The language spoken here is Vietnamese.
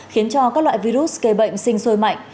khiến cho các loại virus gây bệnh sinh sôi mạnh